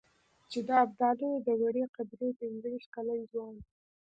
چې د ابدالیو د وړې قبيلې پنځه وېشت کلن ځوان.